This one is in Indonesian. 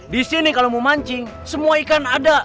di sini kalau mau mancing semua ikan ada